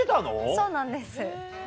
そうなんです。